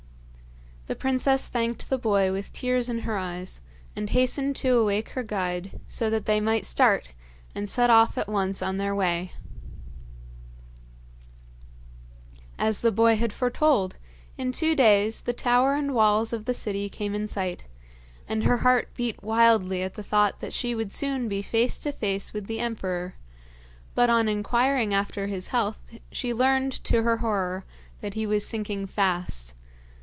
The princess thanked the boy with tears in her eyes, and hastened to awake her guide so that they might start, and set off at once on their way. [Illustration: THE BOY IN THE VALLEY] As the boy had foretold, in two days the tower and walls of the city came in sight, and her heart beat wildly at the thought that she would soon be face to face with the emperor, but on inquiring after his health she learned, to her horror, that he was sinking fast.